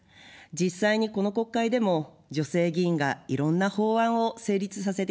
実際にこの国会でも女性議員がいろんな法案を成立させてきました。